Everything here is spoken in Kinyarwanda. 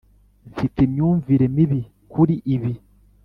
mfite imyumvire mibi kuri ibi.